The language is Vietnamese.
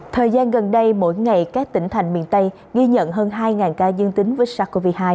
thời gian gần đây mỗi ngày các tỉnh thành miền tây ghi nhận hơn hai ca dương tính với sars cov hai